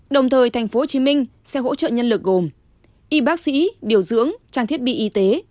đồng thời tp hcm sẽ hỗ trợ nhân lực gồm y bác sĩ điều dưỡng trang thiết bị y tế